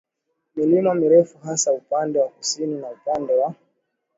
milima mirefu hasa upande wa kusini na upande wa